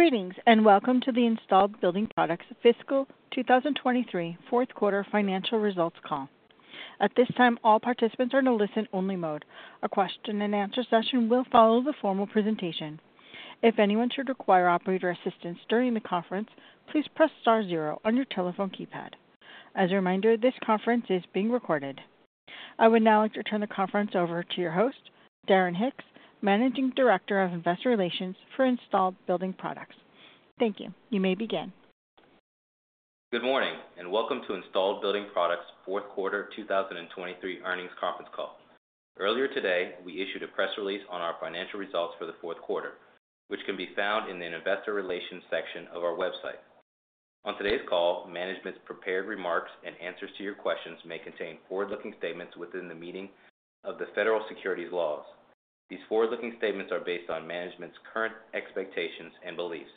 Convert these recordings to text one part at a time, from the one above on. Greetings and welcome to the Installed Building Products fiscal 2023 fourth quarter financial results call. At this time, all participants are in a listen-only mode. A question-and-answer session will follow the formal presentation. If anyone should require operator assistance during the conference, please press star zero on your telephone keypad. As a reminder, this conference is being recorded. I would now like to turn the conference over to your host, Darren Hicks, Managing Director of Investor Relations for Installed Building Products. Thank you. You may begin. Good morning and welcome to Installed Building Products fourth quarter 2023 earnings conference call. Earlier today, we issued a press release on our financial results for the fourth quarter, which can be found in the Investor Relations section of our website. On today's call, management's prepared remarks and answers to your questions may contain forward-looking statements within the meaning of the federal securities laws. These forward-looking statements are based on management's current expectations and beliefs.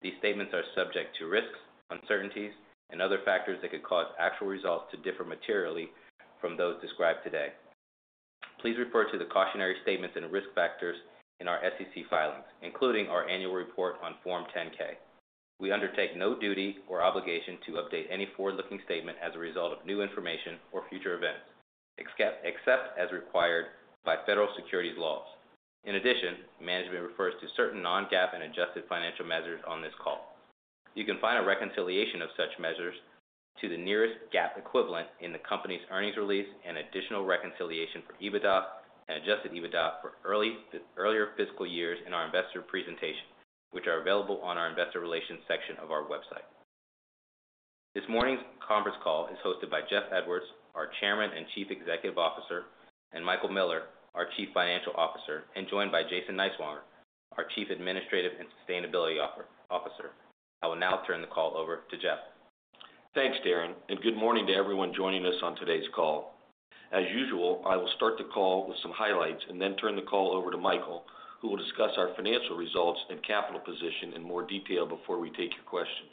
These statements are subject to risks, uncertainties, and other factors that could cause actual results to differ materially from those described today. Please refer to the cautionary statements and risk factors in our SEC filings, including our annual report on Form 10-K. We undertake no duty or obligation to update any forward-looking statement as a result of new information or future events, except as required by federal securities laws. In addition, management refers to certain non-GAAP and adjusted financial measures on this call. You can find a reconciliation of such measures to the nearest GAAP equivalent in the company's earnings release and additional reconciliation for EBITDA and adjusted EBITDA for earlier fiscal years in our investor presentation, which are available on our Investor Relations section of our website. This morning's conference call is hosted by Jeff Edwards, our Chairman and Chief Executive Officer, and Michael Miller, our Chief Financial Officer, and joined by Jason Niswonger, our Chief Administrative and Sustainability Officer. I will now turn the call over to Jeff. Thanks, Darren, and good morning to everyone joining us on today's call. As usual, I will start the call with some highlights and then turn the call over to Michael, who will discuss our financial results and capital position in more detail before we take your questions.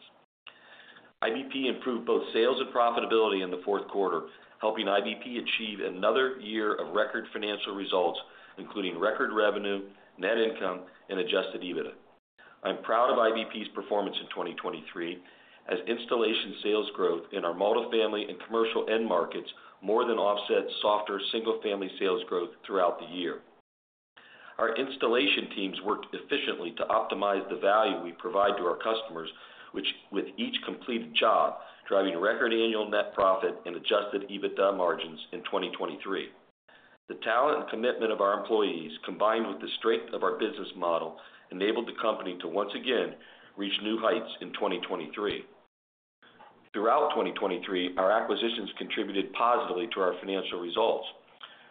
IBP improved both sales and profitability in the fourth quarter, helping IBP achieve another year of record financial results, including record revenue, net income, and Adjusted EBITDA. I'm proud of IBP's performance in 2023, as installation sales growth in our multifamily and commercial end markets more than offset softer single-family sales growth throughout the year. Our installation teams worked efficiently to optimize the value we provide to our customers, with each completed job driving record annual net profit and Adjusted EBITDA margins in 2023. The talent and commitment of our employees, combined with the strength of our business model, enabled the company to once again reach new heights in 2023. Throughout 2023, our acquisitions contributed positively to our financial results.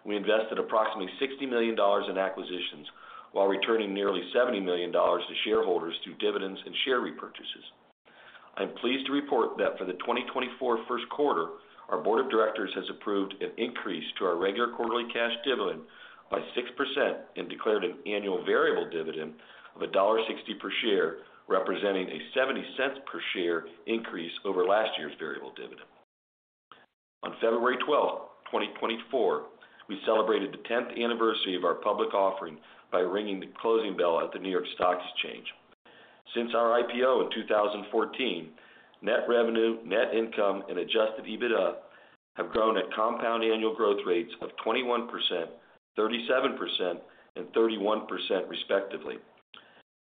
We invested approximately $60 million in acquisitions while returning nearly $70 million to shareholders through dividends and share repurchases. I'm pleased to report that for the 2024 first quarter, our Board of Directors has approved an increase to our regular quarterly cash dividend by 6% and declared an annual variable dividend of $1.60 per share, representing a $0.70 per share increase over last year's variable dividend. On February 12, 2024, we celebrated the 10th anniversary of our public offering by ringing the closing bell at the New York Stock Exchange. Since our IPO in 2014, net revenue, net income, and Adjusted EBITDA have grown at compound annual growth rates of 21%, 37%, and 31% respectively.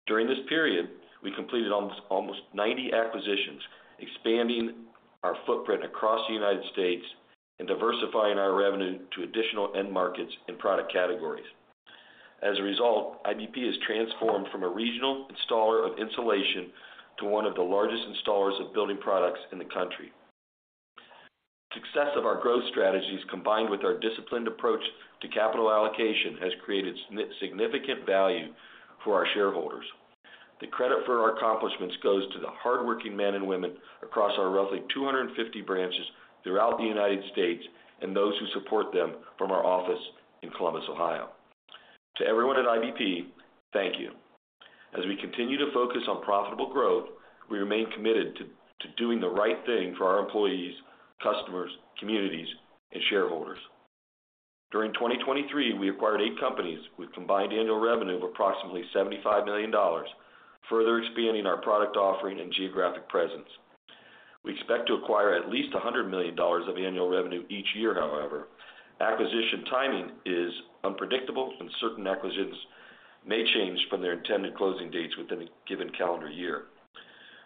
During this period, we completed almost 90 acquisitions, expanding our footprint across the United States and diversifying our revenue to additional end markets and product categories. As a result, IBP has transformed from a regional installer of insulation to one of the largest installers of building products in the country. The success of our growth strategies, combined with our disciplined approach to capital allocation, has created significant value for our shareholders. The credit for our accomplishments goes to the hardworking men and women across our roughly 250 branches throughout the United States and those who support them from our office in Columbus, Ohio. To everyone at IBP, thank you. As we continue to focus on profitable growth, we remain committed to doing the right thing for our employees, customers, communities, and shareholders. During 2023, we acquired eight companies with combined annual revenue of approximately $75 million, further expanding our product offering and geographic presence. We expect to acquire at least $100 million of annual revenue each year, however. Acquisition timing is unpredictable, and certain acquisitions may change from their intended closing dates within a given calendar year.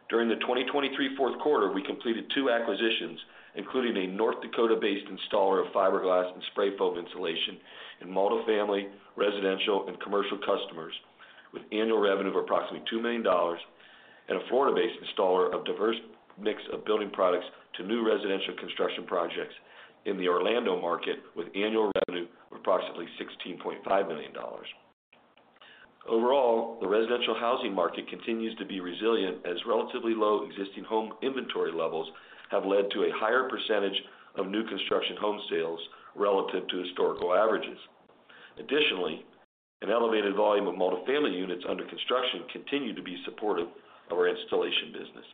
During the 2023 fourth quarter, we completed two acquisitions, including a North Dakota-based installer of fiberglass and spray foam insulation in multifamily, residential, and commercial customers with annual revenue of approximately $2 million, and a Florida-based installer of a diverse mix of building products to new residential construction projects in the Orlando market with annual revenue of approximately $16.5 million. Overall, the residential housing market continues to be resilient, as relatively low existing home inventory levels have led to a higher percentage of new construction home sales relative to historical averages. Additionally, an elevated volume of multifamily units under construction continues to be supportive of our installation business.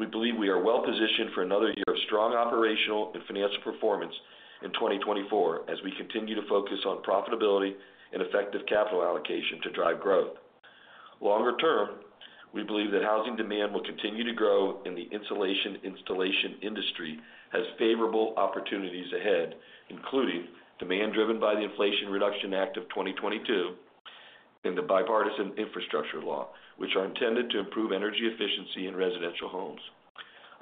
We believe we are well-positioned for another year of strong operational and financial performance in 2024, as we continue to focus on profitability and effective capital allocation to drive growth. Longer term, we believe that housing demand will continue to grow, and the insulation installation industry has favorable opportunities ahead, including demand driven by the Inflation Reduction Act of 2022 and the Bipartisan Infrastructure Law, which are intended to improve energy efficiency in residential homes.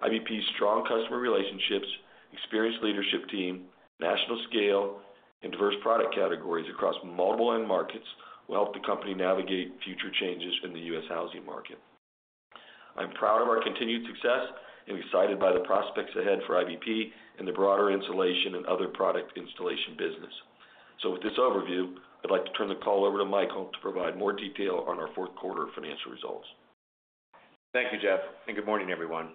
IBP's strong customer relationships, experienced leadership team, national scale, and diverse product categories across multiple end markets will help the company navigate future changes in the U.S. housing market. I'm proud of our continued success and excited by the prospects ahead for IBP in the broader insulation and other product installation business. So, with this overview, I'd like to turn the call over to Michael to provide more detail on our fourth quarter financial results. Thank you, Jeff, and good morning, everyone.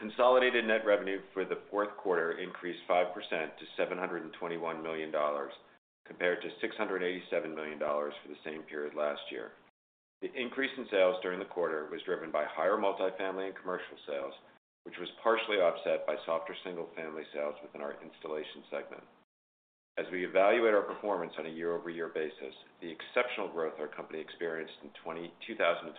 Consolidated net revenue for the fourth quarter increased 5% to $721 million, compared to $687 million for the same period last year. The increase in sales during the quarter was driven by higher multifamily and commercial sales, which was partially offset by softer single-family sales within our installation segment. As we evaluate our performance on a YoY basis, the exceptional growth our company experienced in 2022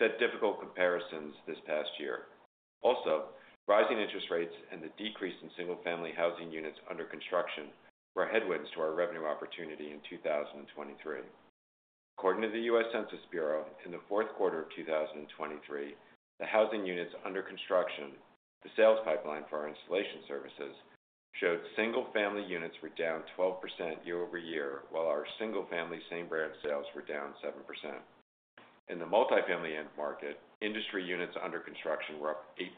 set difficult comparisons this past year. Also, rising interest rates and the decrease in single-family housing units under construction were headwinds to our revenue opportunity in 2023. According to the U.S. Census Bureau, in the fourth quarter of 2023, the housing units under construction, the sales pipeline for our installation services, showed single-family units were down 12% YoY, while our single-family same-brand sales were down 7%. In the multifamily end market, industry units under construction were up 8%,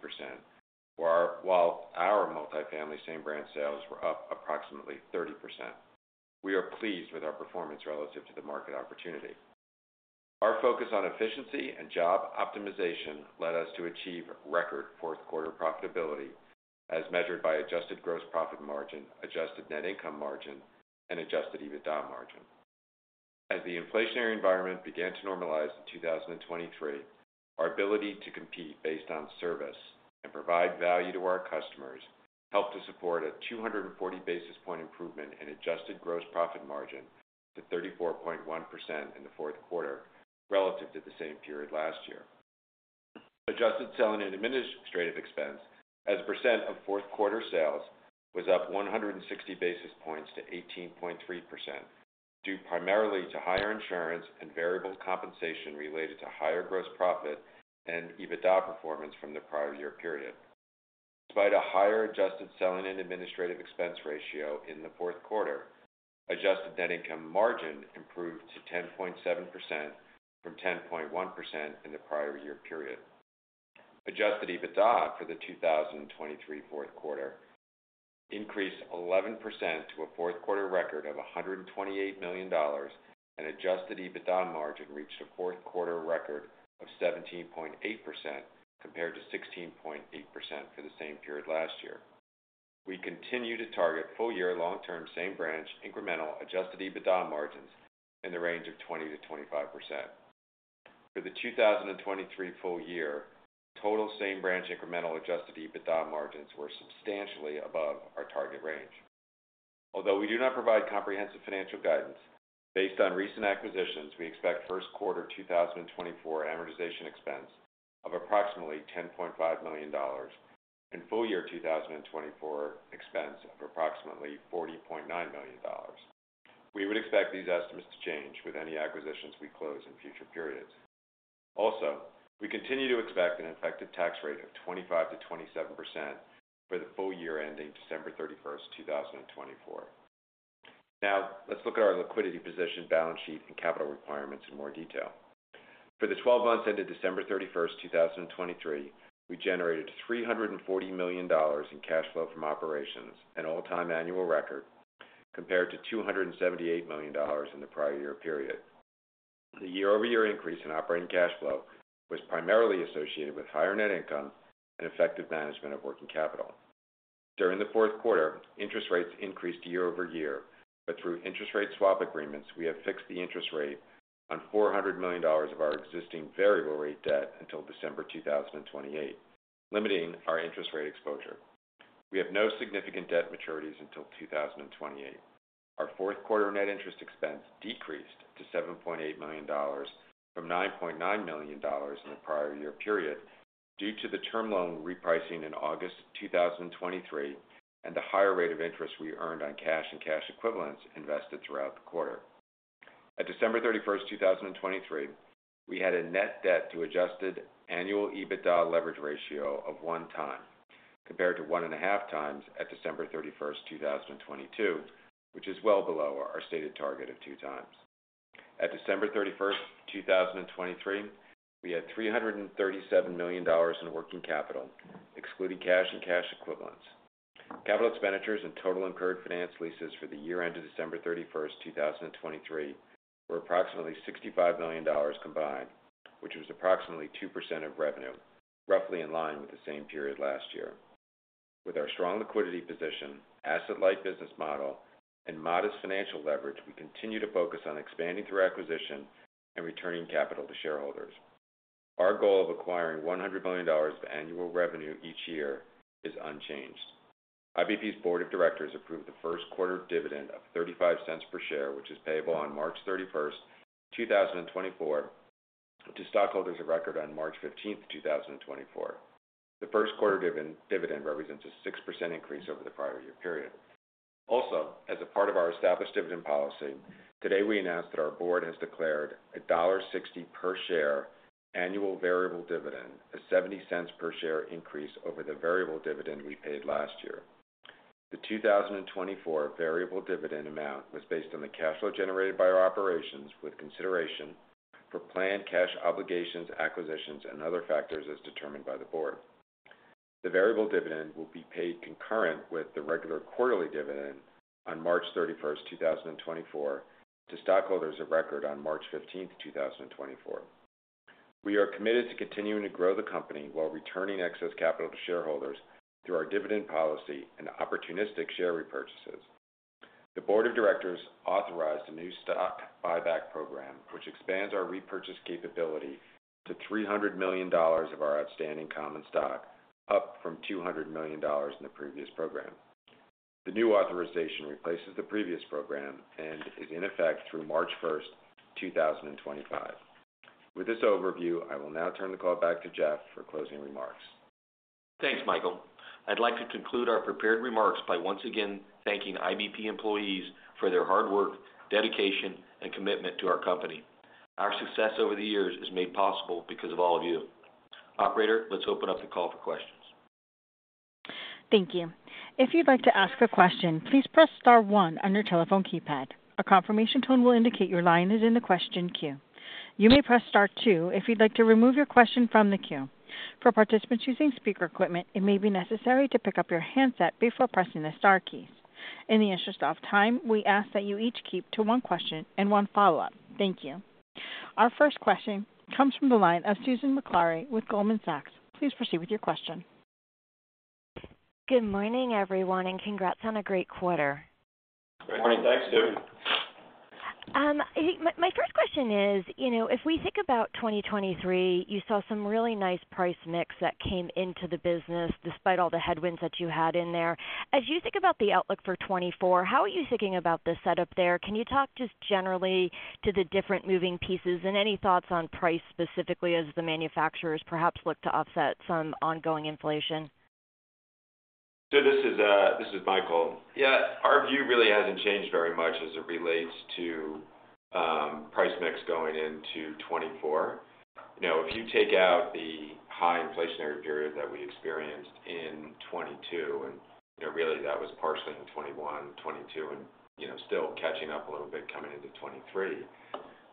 while our multifamily same-brand sales were up approximately 30%. We are pleased with our performance relative to the market opportunity. Our focus on efficiency and job optimization led us to achieve record fourth quarter profitability, as measured by adjusted gross profit margin, adjusted net income margin, and Adjusted EBITDA margin. As the inflationary environment began to normalize in 2023, our ability to compete based on service and provide value to our customers helped to support a 240 basis point improvement in adjusted gross profit margin to 34.1% in the fourth quarter relative to the same period last year. Adjusted selling and administrative expense, as a percent of fourth quarter sales, was up 160 basis points to 18.3%, due primarily to higher insurance and variable compensation related to higher gross profit and EBITDA performance from the prior year period. Despite a higher adjusted selling and administrative expense ratio in the fourth quarter, adjusted net income margin improved to 10.7% from 10.1% in the prior year period. Adjusted EBITDA for the 2023 fourth quarter increased 11% to a fourth quarter record of $128 million, and adjusted EBITDA margin reached a fourth quarter record of 17.8% compared to 16.8% for the same period last year. We continue to target full-year long-term same-branch incremental adjusted EBITDA margins in the range of 20%-25%. For the 2023 full year, total same-branch incremental adjusted EBITDA margins were substantially above our target range. Although we do not provide comprehensive financial guidance, based on recent acquisitions, we expect first quarter 2024 amortization expense of approximately $10.5 million and full-year 2024 expense of approximately $40.9 million. We would expect these estimates to change with any acquisitions we close in future periods. Also, we continue to expect an effective tax rate of 25%-27% for the full year ending December 31st, 2024. Now, let's look at our liquidity position, balance sheet, and capital requirements in more detail. For the 12 months ended December 31st, 2023, we generated $340 million in cash flow from operations, an all-time annual record, compared to $278 million in the prior year period. The YoY increase in operating cash flow was primarily associated with higher net income and effective management of working capital. During the fourth quarter, interest rates increased YoY, but through interest rate swap agreements, we have fixed the interest rate on $400 million of our existing variable rate debt until December 2028, limiting our interest rate exposure. We have no significant debt maturities until 2028. Our fourth quarter net interest expense decreased to $7.8 million from $9.9 million in the prior year period due to the term loan repricing in August 2023 and the higher rate of interest we earned on cash and cash equivalents invested throughout the quarter. At December 31st, 2023, we had a net debt to Adjusted EBITDA leverage ratio of 1x, compared to 1.5x at December 31st, 2022, which is well below our stated target of 2x. At December 31st, 2023, we had $337 million in working capital, excluding cash and cash equivalents. Capital expenditures and total incurred finance leases for the year ended December 31st, 2023, were approximately $65 million combined, which was approximately 2% of revenue, roughly in line with the same period last year. With our strong liquidity position, asset-like business model, and modest financial leverage, we continue to focus on expanding through acquisition and returning capital to shareholders. Our goal of acquiring $100 million of annual revenue each year is unchanged. IBP's Board of Directors approved the first quarter dividend of $0.35 per share, which is payable on March 31st, 2024, to stockholders of record on March 15th, 2024. The first quarter dividend represents a 6% increase over the prior year period. Also, as a part of our established dividend policy, today we announced that our board has declared a $1.60 per share annual variable dividend, a $0.70 per share increase over the variable dividend we paid last year. The 2024 variable dividend amount was based on the cash flow generated by our operations, with consideration for planned cash obligations, acquisitions, and other factors as determined by the board. The variable dividend will be paid concurrent with the regular quarterly dividend on March 31st, 2024, to stockholders of record on March 15th, 2024. We are committed to continuing to grow the company while returning excess capital to shareholders through our dividend policy and opportunistic share repurchases. The Board of Directors authorized a new stock buyback program, which expands our repurchase capability to $300 million of our outstanding common stock, up from $200 million in the previous program. The new authorization replaces the previous program and is in effect through March 1st, 2025. With this overview, I will now turn the call back to Jeff for closing remarks. Thanks, Michael. I'd like to conclude our prepared remarks by once again thanking IBP employees for their hard work, dedication, and commitment to our company. Our success over the years is made possible because of all of you. Operator, let's open up the call for questions. Thank you. If you'd like to ask a question, please press star one on your telephone keypad. A confirmation tone will indicate your line is in the question queue. You may press star two if you'd like to remove your question from the queue. For participants using speaker equipment, it may be necessary to pick up your handset before pressing the star keys. In the interest of time, we ask that you each keep to one question and one follow-up. Thank you. Our first question comes from the line of Susan Maklari with Goldman Sachs. Please proceed with your question. Good morning, everyone, and congrats on a great quarter. Good morning. Thanks, too. My first question is, if we think about 2023, you saw some really nice price mix that came into the business despite all the headwinds that you had in there. As you think about the outlook for 2024, how are you thinking about the setup there? Can you talk just generally to the different moving pieces and any thoughts on price specifically as the manufacturers perhaps look to offset some ongoing inflation? Sure. This is Michael. Yeah, our view really hasn't changed very much as it relates to price mix going into 2024. If you take out the high inflationary period that we experienced in 2022, and really that was partially in 2021, 2022, and still catching up a little bit coming into 2023,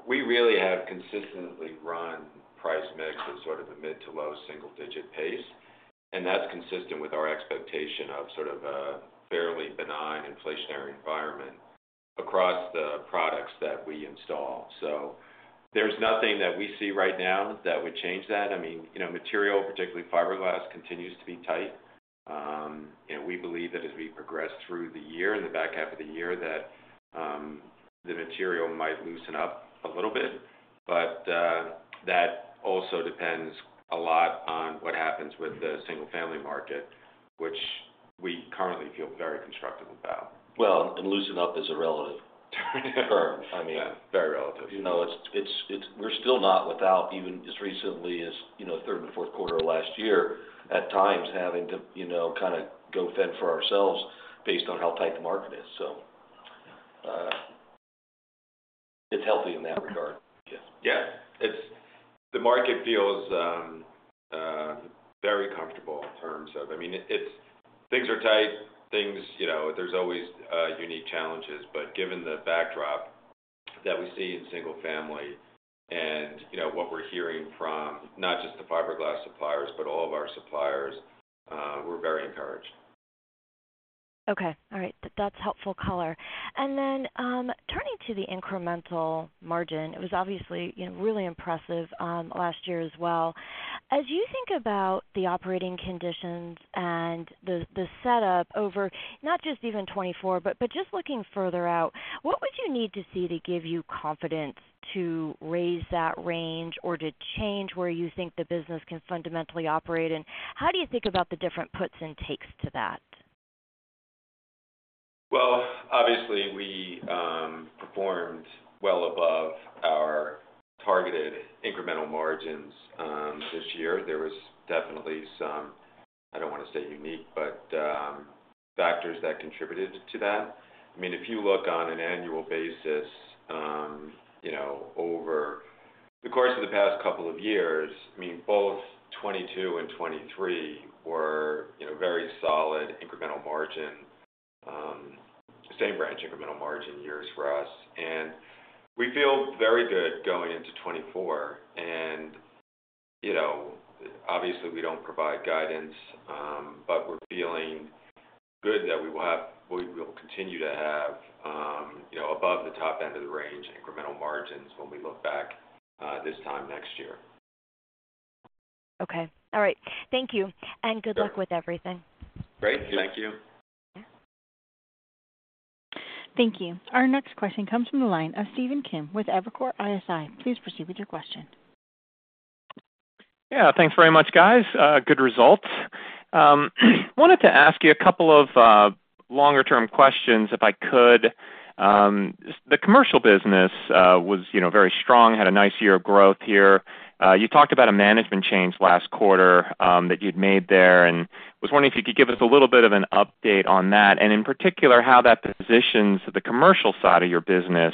we really have consistently run price mix at sort of a mid to low single-digit pace, and that's consistent with our expectation of sort of a fairly benign inflationary environment across the products that we install. So there's nothing that we see right now that would change that. I mean, material, particularly fiberglass, continues to be tight. We believe that as we progress through the year, in the back half of the year, that the material might loosen up a little bit, but that also depends a lot on what happens with the single-family market, which we currently feel very constructive about. Well, and loosen up is a relative term. I mean. Very relative. No, we're still not without, even as recently as third and fourth quarter of last year, at times having to kind of go fend for ourselves based on how tight the market is. So it's healthy in that regard. Yeah. Yeah. The market feels very comfortable in terms of I mean, things are tight. There's always unique challenges, but given the backdrop that we see in single-family and what we're hearing from not just the fiberglass suppliers, but all of our suppliers, we're very encouraged. Okay. All right. That's helpful color. Then turning to the incremental margin, it was obviously really impressive last year as well. As you think about the operating conditions and the setup over not just even 2024, but just looking further out, what would you need to see to give you confidence to raise that range or to change where you think the business can fundamentally operate? How do you think about the different puts and takes to that? Well, obviously, we performed well above our targeted incremental margins this year. There was definitely some I don't want to say unique, but factors that contributed to that. I mean, if you look on an annual basis over the course of the past couple of years, I mean, both 2022 and 2023 were very solid incremental margin, same-branch incremental margin years for us. And we feel very good going into 2024. And obviously, we don't provide guidance, but we're feeling good that we will continue to have above the top end of the range incremental margins when we look back this time next year. Okay. All right. Thank you. Good luck with everything. Great. Thank you. Thank you. Our next question comes from the line of Stephen Kim with Evercore ISI. Please proceed with your question. Yeah. Thanks very much, guys. Good results. Wanted to ask you a couple of longer-term questions, if I could. The commercial business was very strong, had a nice year of growth here. You talked about a management change last quarter that you'd made there, and was wondering if you could give us a little bit of an update on that, and in particular, how that positions the commercial side of your business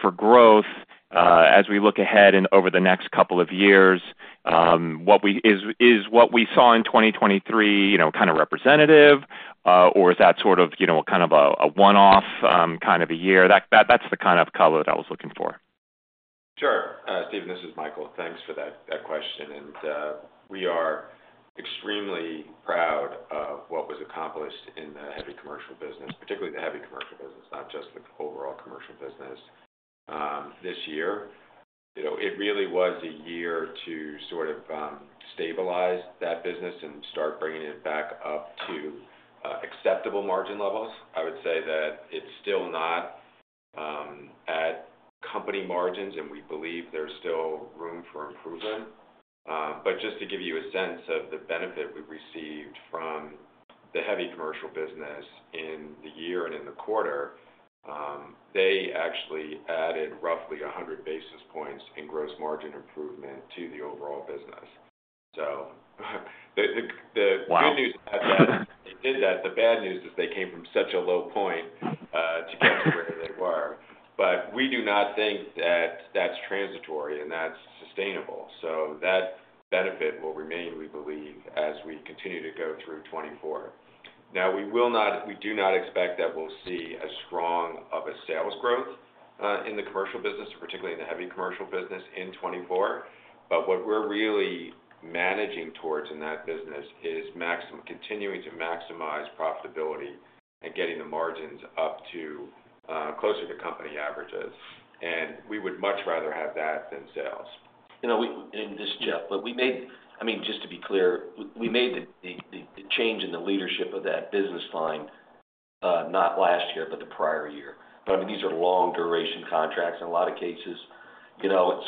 for growth as we look ahead and over the next couple of years. Is what we saw in 2023 kind of representative, or is that sort of kind of a one-off kind of a year? That's the kind of color that I was looking for. Sure, Stephen. This is Michael. Thanks for that question. We are extremely proud of what was accomplished in the heavy commercial business, particularly the heavy commercial business, not just the overall commercial business this year. It really was a year to sort of stabilize that business and start bringing it back up to acceptable margin levels. I would say that it's still not at company margins, and we believe there's still room for improvement. But just to give you a sense of the benefit we've received from the heavy commercial business in the year and in the quarter, they actually added roughly 100 basis points in gross margin improvement to the overall business. So the good news is that they did that. The bad news is they came from such a low point to get to where they were. But we do not think that that's transitory, and that's sustainable. So that benefit will remain, we believe, as we continue to go through 2024. Now, we do not expect that we'll see as strong of a sales growth in the commercial business, particularly in the heavy commercial business, in 2024. But what we're really managing towards in that business is continuing to maximize profitability and getting the margins up closer to company averages. And we would much rather have that than sales. And this, Jeff, but we made—I mean, just to be clear—we made the change in the leadership of that business line not last year, but the prior year. But I mean, these are long-duration contracts in a lot of cases,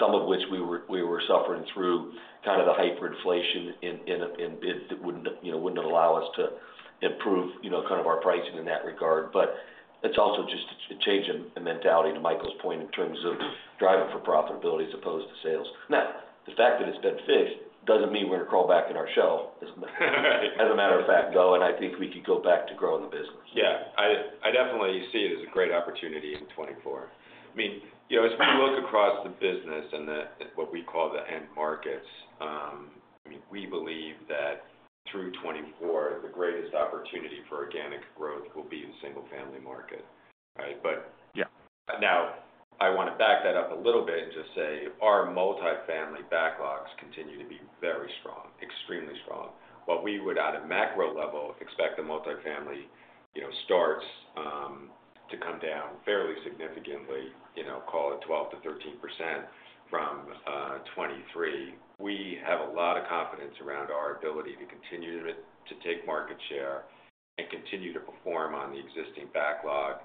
some of which we were suffering through kind of the hyperinflation in bids that wouldn't allow us to improve kind of our pricing in that regard. But it's also just a change in mentality, to Michael's point, in terms of driving for profitability as opposed to sales. Now, the fact that it's been fixed doesn't mean we're going to crawl back in our shell, as a matter of fact, though, and I think we could go back to growing the business. Yeah. I definitely see it as a great opportunity in 2024. I mean, as we look across the business and what we call the end markets, I mean, we believe that through 2024, the greatest opportunity for organic growth will be the single-family market, right? But now, I want to back that up a little bit and just say our multifamily backlogs continue to be very strong, extremely strong. While we would, at a macro level, expect the multifamily starts to come down fairly significantly, call it 12%-13%, from 2023, we have a lot of confidence around our ability to continue to take market share and continue to perform on the existing backlog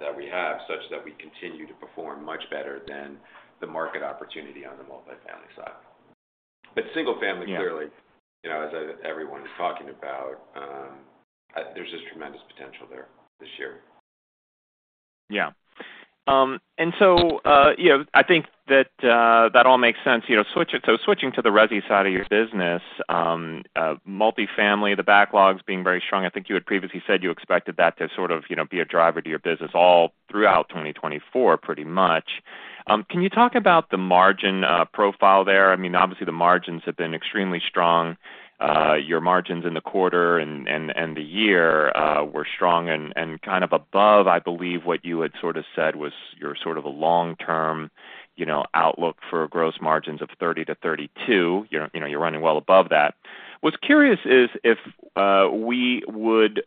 that we have such that we continue to perform much better than the market opportunity on the multifamily side. But single-family, clearly, as everyone is talking about, there's just tremendous potential there this year. Yeah. So I think that all makes sense. So switching to the resi-side of your business, multifamily, the backlogs being very strong, I think you had previously said you expected that to sort of be a driver to your business all throughout 2024 pretty much. Can you talk about the margin profile there? I mean, obviously, the margins have been extremely strong. Your margins in the quarter and the year were strong and kind of above, I believe, what you had sort of said was your sort of a long-term outlook for gross margins of 30%-32%. You're running well above that. What's curious is if we would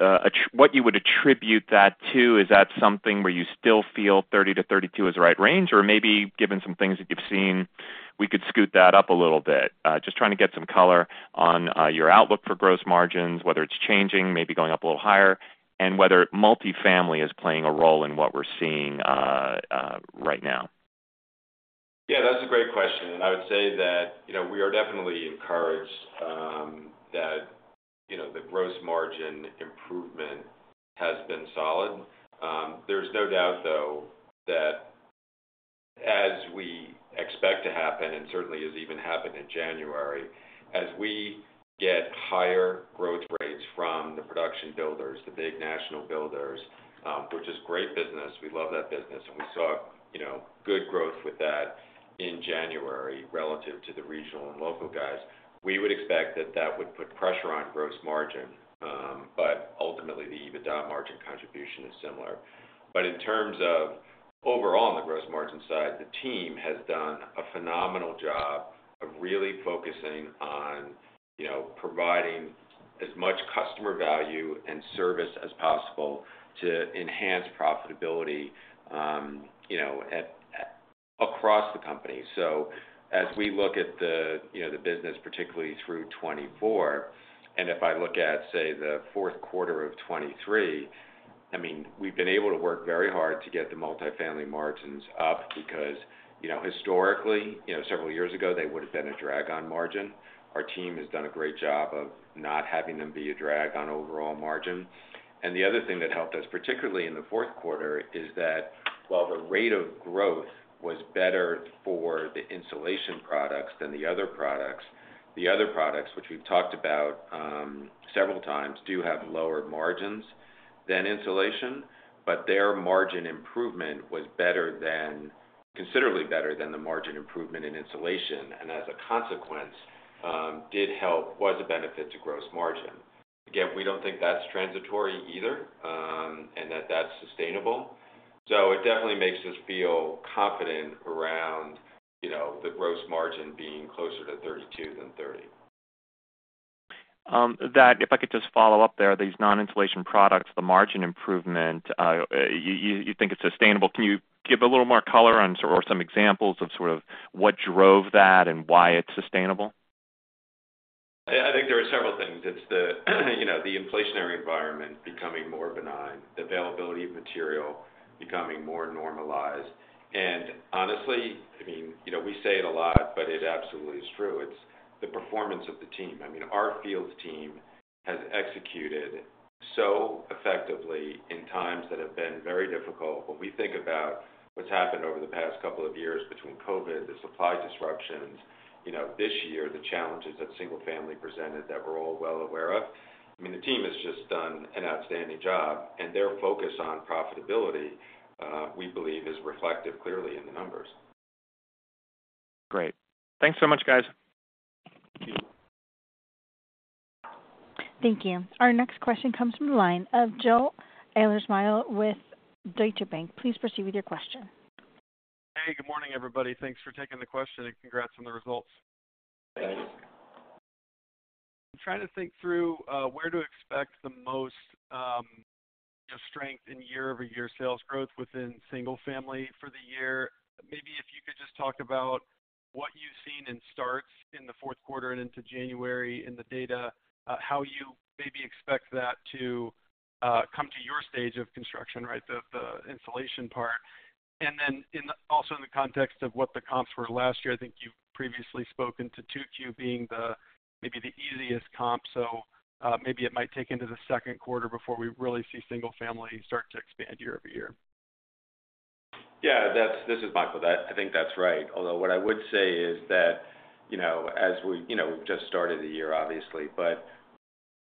what you would attribute that to, is that something where you still feel 30%-32% is the right range, or maybe given some things that you've seen, we could scoot that up a little bit? Just trying to get some color on your outlook for gross margins, whether it's changing, maybe going up a little higher, and whether multifamily is playing a role in what we're seeing right now? Yeah. That's a great question. I would say that we are definitely encouraged that the gross margin improvement has been solid. There's no doubt, though, that as we expect to happen and certainly has even happened in January, as we get higher growth rates from the production builders, the big national builders, which is great business - we love that business, and we saw good growth with that in January relative to the regional and local guys - we would expect that that would put pressure on gross margin. Ultimately, the EBITDA margin contribution is similar. In terms of overall on the gross margin side, the team has done a phenomenal job of really focusing on providing as much customer value and service as possible to enhance profitability across the company. So as we look at the business, particularly through 2024, and if I look at, say, the fourth quarter of 2023, I mean, we've been able to work very hard to get the multifamily margins up because historically, several years ago, they would have been a drag on margin. Our team has done a great job of not having them be a drag on overall margin. And the other thing that helped us, particularly in the fourth quarter, is that while the rate of growth was better for the insulation products than the other products, the other products, which we've talked about several times, do have lower margins than insulation, but their margin improvement was considerably better than the margin improvement in insulation and, as a consequence, was a benefit to gross margin. Again, we don't think that's transitory either and that that's sustainable. It definitely makes us feel confident around the gross margin being closer to 32 than 30. If I could just follow up there, these non-insulation products, the margin improvement, you think it's sustainable? Can you give a little more color or some examples of sort of what drove that and why it's sustainable? I think there are several things. It's the inflationary environment becoming more benign, the availability of material becoming more normalized. And honestly, I mean, we say it a lot, but it absolutely is true. It's the performance of the team. I mean, our field team has executed so effectively in times that have been very difficult. When we think about what's happened over the past couple of years between COVID, the supply disruptions, this year, the challenges that single-family presented that we're all well aware of, I mean, the team has just done an outstanding job. And their focus on profitability, we believe, is reflective clearly in the numbers. Great. Thanks so much, guys. Thank you. Our next question comes from the line of Joe Ahlersmeyer with Deutsche Bank. Please proceed with your question. Hey. Good morning, everybody. Thanks for taking the question and congrats on the results. Thanks. I'm trying to think through where to expect the most strength in YoY sales growth within single-family for the year. Maybe if you could just talk about what you've seen in starts in the fourth quarter and into January in the data, how you maybe expect that to come to your stage of construction, right, the insulation part. And then also in the context of what the comps were last year, I think you've previously spoken to 2Q being maybe the easiest comp. So maybe it might take into the second quarter before we really see single-family start to expand YoY. Yeah. This is Michael. I think that's right. Although what I would say is that as we've just started the year, obviously, but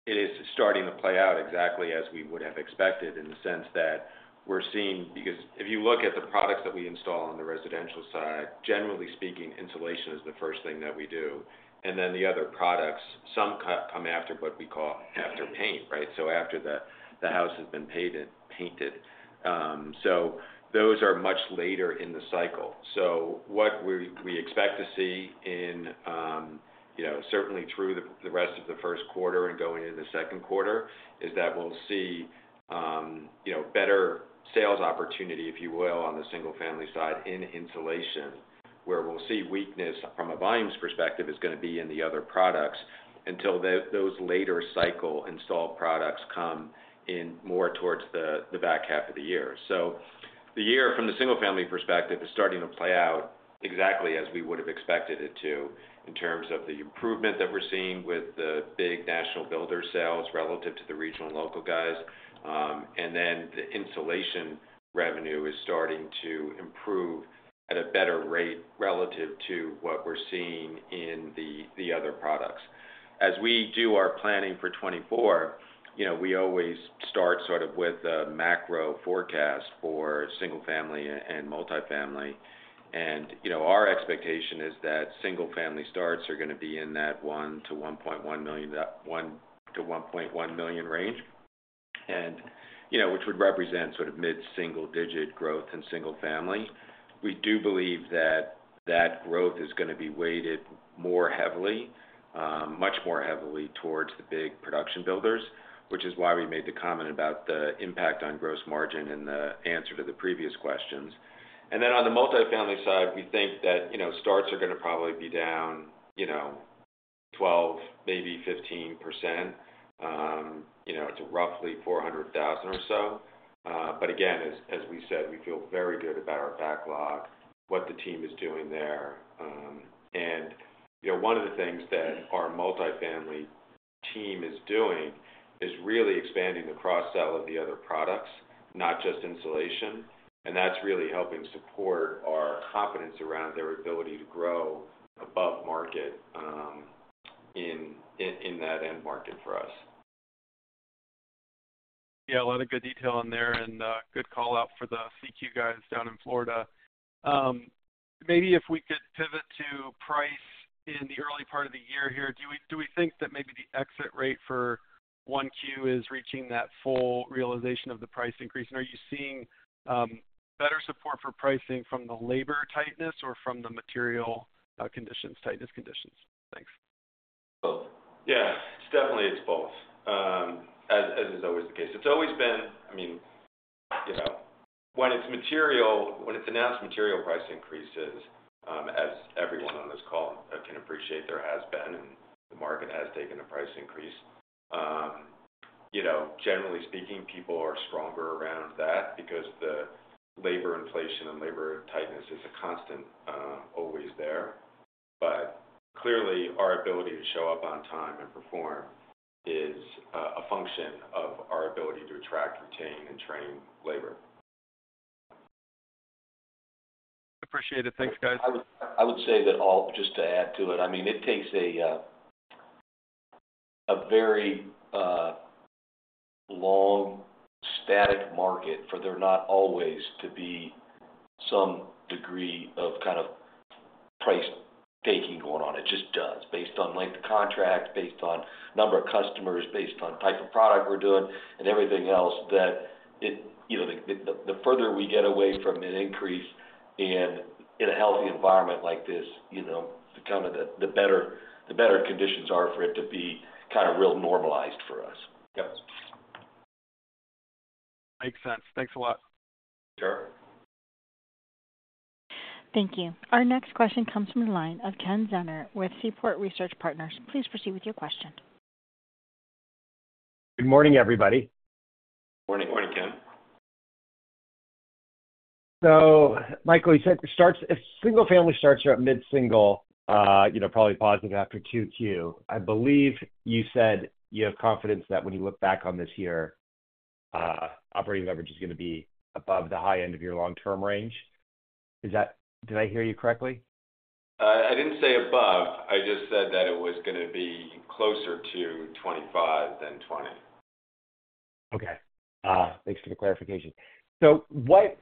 it is starting to play out exactly as we would have expected in the sense that we're seeing because if you look at the products that we install on the residential side, generally speaking, insulation is the first thing that we do. And then the other products, some come after what we call after paint, right, so after the house has been painted. So those are much later in the cycle. So what we expect to see in certainly through the rest of the first quarter and going into the second quarter is that we'll see better sales opportunity, if you will, on the single-family side in insulation, where we'll see weakness from a volumes perspective is going to be in the other products until those later cycle installed products come in more towards the back half of the year. So the year, from the single-family perspective, is starting to play out exactly as we would have expected it to in terms of the improvement that we're seeing with the big national builder sales relative to the regional and local guys. And then the insulation revenue is starting to improve at a better rate relative to what we're seeing in the other products. As we do our planning for 2024, we always start sort of with a macro forecast for single-family and multifamily. And our expectation is that single-family starts are going to be in that $1-$1.1 million, $1-$1.1 million range, which would represent sort of mid-single-digit growth in single-family. We do believe that that growth is going to be weighted more heavily, much more heavily, towards the big production builders, which is why we made the comment about the impact on gross margin in the answer to the previous questions. And then on the multifamily side, we think that starts are going to probably be down 12%, maybe 15%. It's roughly 400,000 or so. But again, as we said, we feel very good about our backlog, what the team is doing there. One of the things that our multifamily team is doing is really expanding the cross-sell of the other products, not just insulation. That's really helping support our confidence around their ability to grow above market in that end market for us. Yeah. A lot of good detail in there and good callout for the CQ guys down in Florida. Maybe if we could pivot to price in the early part of the year here, do we think that maybe the exit rate for 1Q is reaching that full realization of the price increase? And are you seeing better support for pricing from the labor tightness or from the material conditions, tightness conditions? Thanks. Both. Yeah. Definitely, it's both, as is always the case. It's always been, I mean, when it's announced material price increases, as everyone on this call can appreciate, there has been, and the market has taken a price increase. Generally speaking, people are stronger around that because the labor inflation and labor tightness is a constant always there. But clearly, our ability to show up on time and perform is a function of our ability to attract, retain, and train labor. Appreciate it. Thanks, guys. I would say that all, just to add to it, I mean, it takes a very long static market for there not always to be some degree of kind of price-taking going on. It just does based on length of contract, based on number of customers, based on type of product we're doing, and everything else that the further we get away from an increase in a healthy environment like this, kind of the better conditions are for it to be kind of real normalized for us. Yep. Makes sense. Thanks a lot. Sure. Thank you. Our next question comes from the line of Ken Zener with Seaport Research Partners. Please proceed with your question. Good morning, everybody. Morning. Morning, Ken. So Michael, you said if single-family starts are at mid-single, probably positive after 2Q. I believe you said you have confidence that when you look back on this year, operating leverage is going to be above the high end of your long-term range. Did I hear you correctly? I didn't say above. I just said that it was going to be closer to 25 than 20. Okay. Thanks for the clarification. So what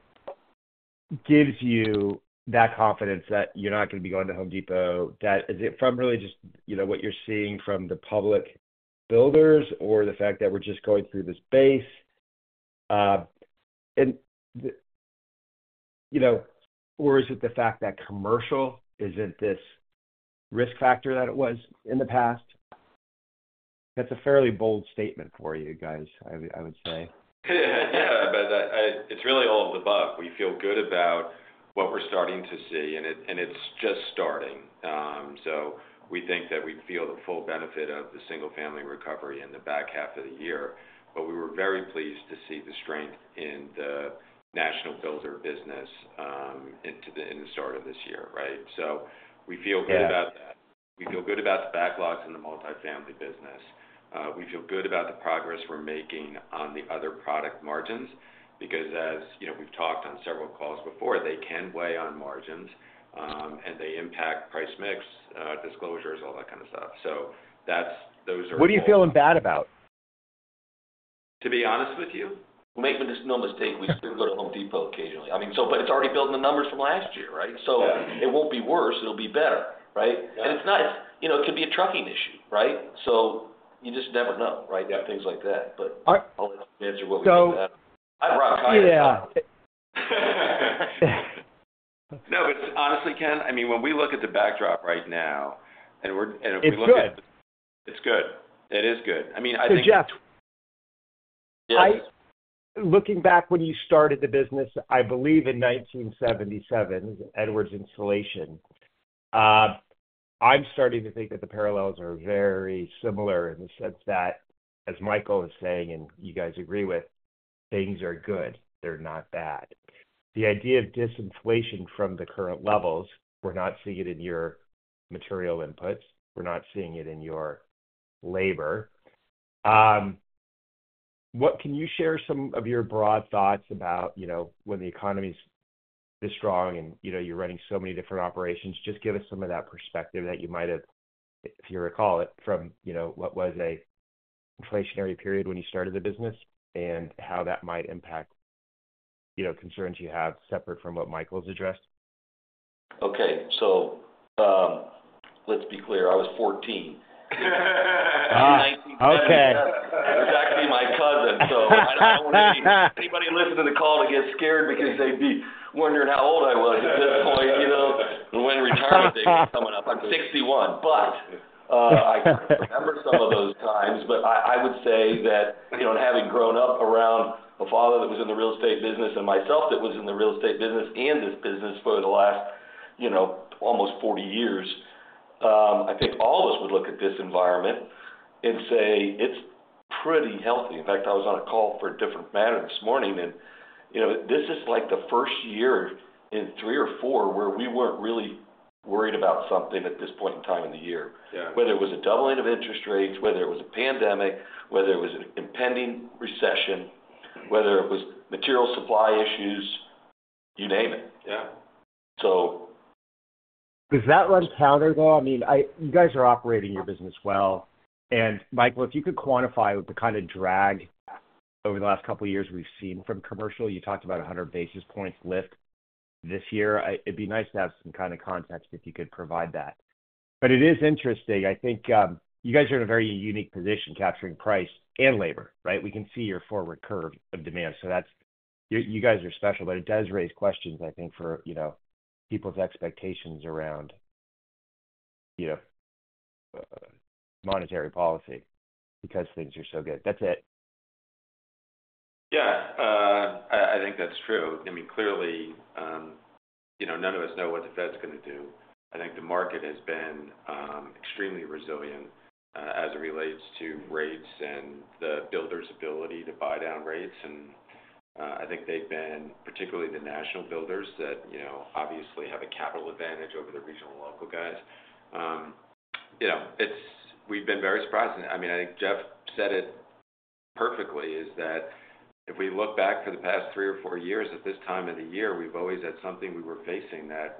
gives you that confidence that you're not going to be going to Home Depot? Is it from really just what you're seeing from the public builders or the fact that we're just going through this base, or is it the fact that commercial isn't this risk factor that it was in the past? That's a fairly bold statement for you guys, I would say. Yeah. But it's really all of the above. We feel good about what we're starting to see, and it's just starting. So we think that we feel the full benefit of the single-family recovery in the back half of the year. But we were very pleased to see the strength in the national builder business in the start of this year, right? So we feel good about that. We feel good about the backlogs in the multifamily business. We feel good about the progress we're making on the other product margins because, as we've talked on several calls before, they can weigh on margins, and they impact price mix, disclosures, all that kind of stuff. So those are good. What are you feeling bad about? To be honest with you? We'll make no mistake. We still go to Home Depot occasionally. I mean, but it's already building the numbers from last year, right? So it won't be worse. It'll be better, right? And it could be a trucking issue, right? So you just never know, right, things like that. But I'll answer what we think about it. I'm rock-high on that one. No, but honestly, Ken, I mean, when we look at the backdrop right now and we look at. It's good. It's good. It is good. I mean, I think. Hey, Jeff. Looking back when you started the business, I believe in 1977, Edwards Insulation, I'm starting to think that the parallels are very similar in the sense that, as Michael is saying and you guys agree with, things are good. They're not bad. The idea of disinflation from the current levels, we're not seeing it in your material inputs. We're not seeing it in your labor. What can you share some of your broad thoughts about when the economy's this strong and you're running so many different operations? Just give us some of that perspective that you might have, if you recall it, from what was an inflationary period when you started the business and how that might impact concerns you have separate from what Michael's addressed? Okay. So let's be clear. I was 14. In 1977, I was actually my cousin. So I don't want anybody listening to the call to get scared because they'd be wondering how old I was at this point and when retirement days were coming up. I'm 61. But I remember some of those times. But I would say that having grown up around a father that was in the real estate business and myself that was in the real estate business and this business for the last almost 40 years, I think all of us would look at this environment and say, "It's pretty healthy." In fact, I was on a call for a different matter this morning. This is the first year in three or four where we weren't really worried about something at this point in time in the year, whether it was a doubling of interest rates, whether it was a pandemic, whether it was an impending recession, whether it was material supply issues, you name it. Yeah. Does that run counter, though? I mean, you guys are operating your business well. And Michael, if you could quantify the kind of drag over the last couple of years we've seen from commercial, you talked about 100 basis points lift this year. It'd be nice to have some kind of context if you could provide that. But it is interesting. I think you guys are in a very unique position capturing price and labor, right? We can see your forward curve of demand. So you guys are special. But it does raise questions, I think, for people's expectations around monetary policy because things are so good. That's it. Yeah. I think that's true. I mean, clearly, none of us know what the Fed's going to do. I think the market has been extremely resilient as it relates to rates and the builders' ability to buy down rates. And I think they've been, particularly the national builders, that obviously have a capital advantage over the regional and local guys. We've been very surprised. I mean, I think Jeff said it perfectly, is that if we look back for the past three or four years, at this time of the year, we've always had something we were facing that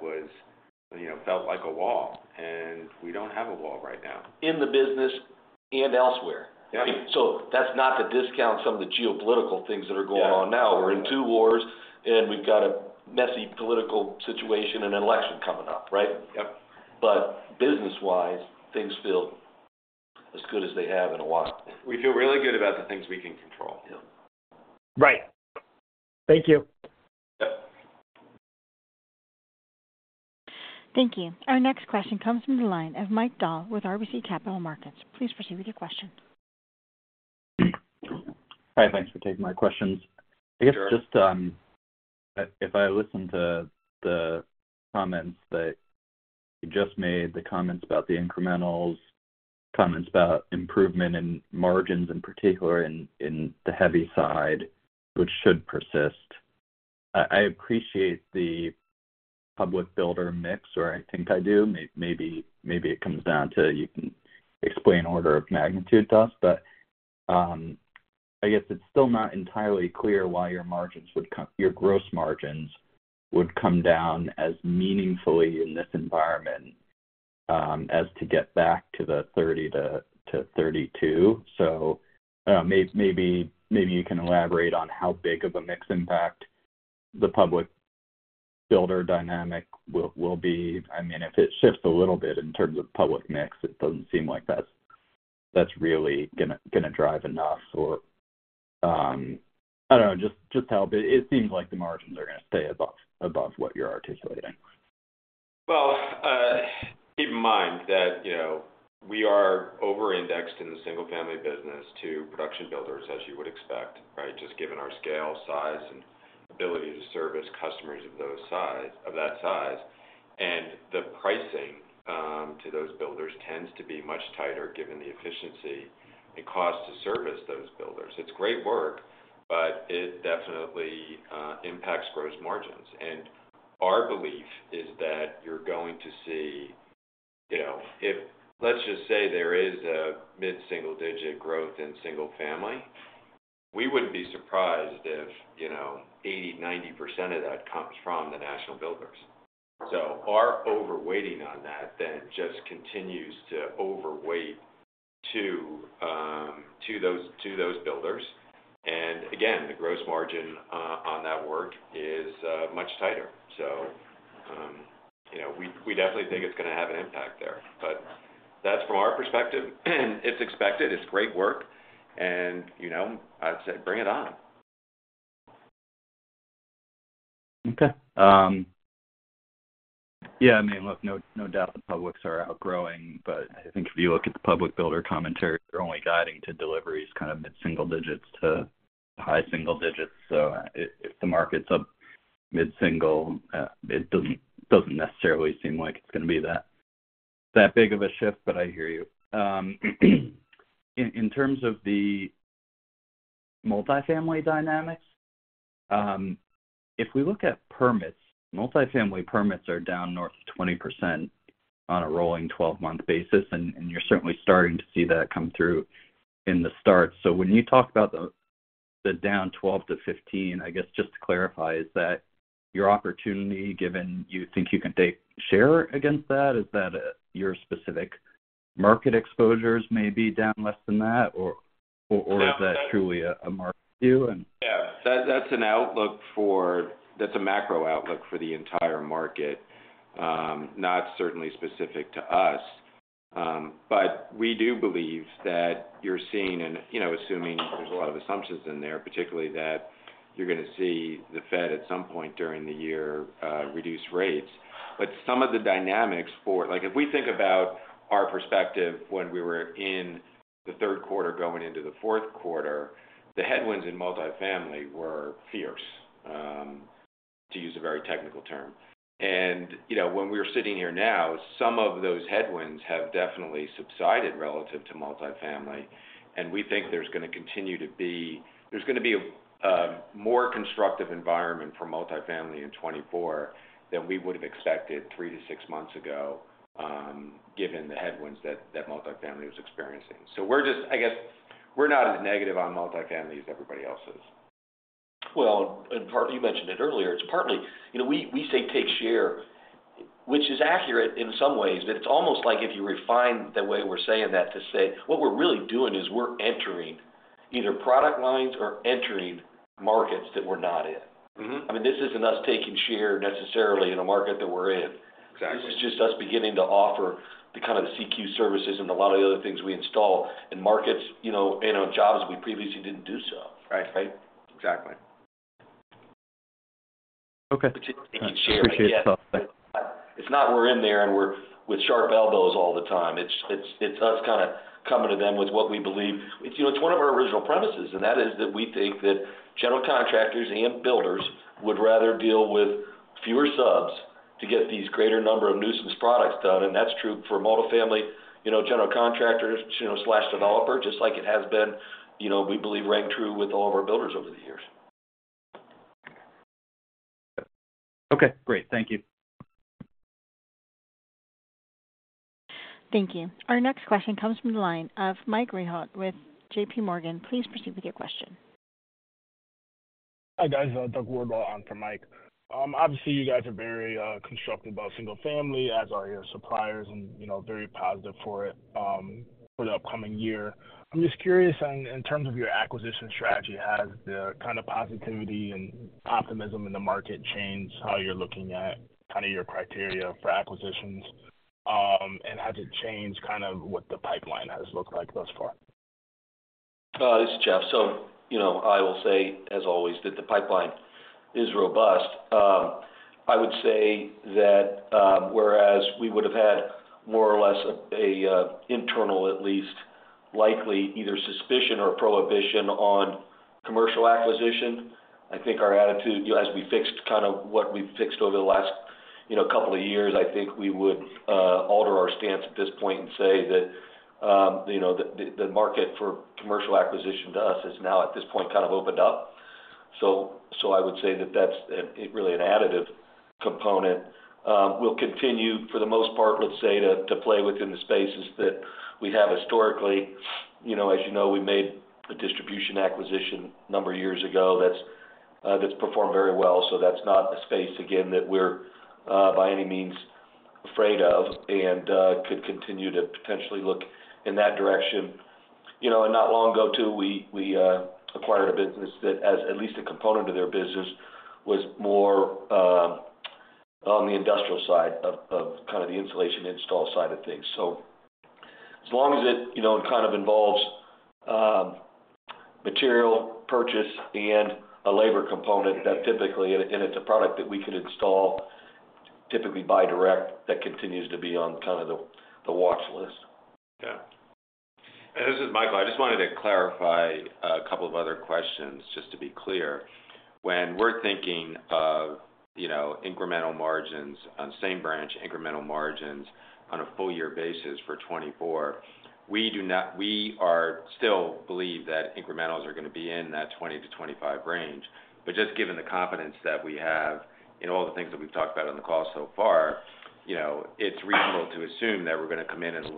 felt like a wall. And we don't have a wall right now. In the business and elsewhere. I mean, so that's not to discount some of the geopolitical things that are going on now. We're in two wars, and we've got a messy political situation and an election coming up, right? But business-wise, things feel as good as they have in a while. We feel really good about the things we can control. Right. Thank you. Thank you. Our next question comes from the line of Mike Dahl with RBC Capital Markets. Please proceed with your question. Hi. Thanks for taking my questions. I guess just if I listen to the comments that you just made, the comments about the incrementals, comments about improvement in margins, in particular in the heavy side, which should persist, I appreciate the public builder mix, or I think I do. Maybe it comes down to you can explain order of magnitude to us. But I guess it's still not entirely clear why your gross margins would come down as meaningfully in this environment as to get back to the 30%-32%. So maybe you can elaborate on how big of a mix impact the public builder dynamic will be. I mean, if it shifts a little bit in terms of product mix, it doesn't seem like that's really going to drive enough or I don't know, just how it seems like the margins are going to stay above what you're articulating. Well, keep in mind that we are over-indexed in the single-family business to production builders, as you would expect, right, just given our scale, size, and ability to service customers of that size. And the pricing to those builders tends to be much tighter given the efficiency and cost to service those builders. It's great work, but it definitely impacts gross margins. And our belief is that you're going to see if let's just say there is a mid-single-digit growth in single-family, we wouldn't be surprised if 80%-90% of that comes from the national builders. So our overweighting on that then just continues to overweight to those builders. And again, the gross margin on that work is much tighter. So we definitely think it's going to have an impact there. But that's from our perspective. It's expected. It's great work. And I'd say bring it on. Okay. Yeah. I mean, look, no doubt the publics are outgrowing. But I think if you look at the public builder commentary, they're only guiding to deliveries, kind of mid-single digits to high single digits. So if the market's up mid-single, it doesn't necessarily seem like it's going to be that big of a shift. But I hear you. In terms of the Multifamily dynamics, if we look at permits, Multifamily permits are down north of 20% on a rolling 12-month basis. And you're certainly starting to see that come through in the start. So when you talk about the down 12%-15%, I guess just to clarify, is that your opportunity, given you think you can take share against that? Is that your specific market exposures may be down less than that, or is that truly a market view? Yeah. That's a macro outlook for the entire market, not certainly specific to us. But we do believe that you're seeing and assuming there's a lot of assumptions in there, particularly that you're going to see the Fed at some point during the year reduce rates. But some of the dynamics for if we think about our perspective when we were in the third quarter going into the fourth quarter, the headwinds in multifamily were fierce, to use a very technical term. And when we're sitting here now, some of those headwinds have definitely subsided relative to multifamily. And we think there's going to be a more constructive environment for multifamily in 2024 than we would have expected three to six months ago, given the headwinds that multifamily was experiencing. I guess we're not as negative on multifamily as everybody else is. Well, and you mentioned it earlier. It's partly we say take share, which is accurate in some ways. But it's almost like if you refine the way we're saying that to say what we're really doing is we're entering either product lines or entering markets that we're not in. I mean, this isn't us taking share necessarily in a market that we're in. This is just us beginning to offer the kind of CQ services and a lot of the other things we install in markets and on jobs that we previously didn't do so, right? Right. Exactly. Okay. Appreciate your thoughts. It's not we're in there and we're with sharp elbows all the time. It's us kind of coming to them with what we believe. It's one of our original premises. And that is that we think that general contractors and builders would rather deal with fewer subs to get these greater number of nuisance products done. And that's true for multifamily general contractors/developer, just like it has been, we believe, rang true with all of our builders over the years. Okay. Great. Thank you. Thank you. Our next question comes from the line of Mike Rehaut with JPMorgan. Please proceed with your question. Hi, guys. Doug Wardlaw on for Mike. Obviously, you guys are very constructive about single-family, as are your suppliers, and very positive for it for the upcoming year. I'm just curious, in terms of your acquisition strategy, has the kind of positivity and optimism in the market changed how you're looking at kind of your criteria for acquisitions? Has it changed kind of what the pipeline has looked like thus far? This is Jeff. So I will say, as always, that the pipeline is robust. I would say that whereas we would have had more or less an internal, at least, likely either suspicion or prohibition on commercial acquisition, I think our attitude as we fixed kind of what we've fixed over the last couple of years, I think we would alter our stance at this point and say that the market for commercial acquisition to us is now, at this point, kind of opened up. So I would say that that's really an additive component. We'll continue, for the most part, let's say, to play within the spaces that we have historically. As you know, we made a distribution acquisition a number of years ago that's performed very well. So that's not a space, again, that we're by any means afraid of and could continue to potentially look in that direction. And not long ago, too, we acquired a business that, as at least a component of their business, was more on the industrial side of kind of the insulation install side of things. So as long as it kind of involves material purchase and a labor component, and it's a product that we could install, typically by direct, that continues to be on kind of the watch list. Yeah. And this is Michael. I just wanted to clarify a couple of other questions just to be clear. When we're thinking of incremental margins on same branch, incremental margins on a full-year basis for 2024, we still believe that incrementals are going to be in that 20%-25% range. But just given the confidence that we have in all the things that we've talked about on the call so far, it's reasonable to assume that we're going to come in a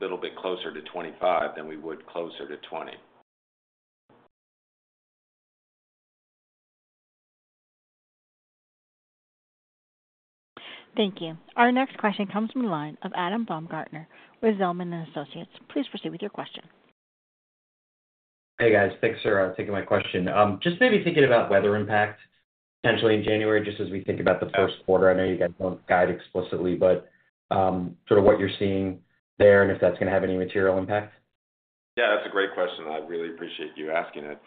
little bit closer to 25 than we would closer to 20. Thank you. Our next question comes from the line of Adam Baumgarten with Zelman & Associates. Please proceed with your question. Hey, guys. Thanks for taking my question. Just maybe thinking about weather impact potentially in January, just as we think about the first quarter. I know you guys don't guide explicitly, but sort of what you're seeing there and if that's going to have any material impact? Yeah. That's a great question. I really appreciate you asking it